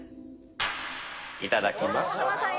いただきます。